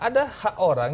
ada hak orang